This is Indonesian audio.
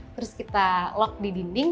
terus kita lock di dinding